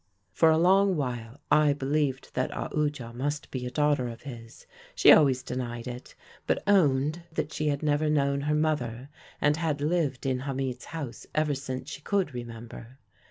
"For a long while I believed that Aoodya must be a daughter of his. She always denied it, but owned that she had never known her mother and had lived in Hamid's house ever since she could remember.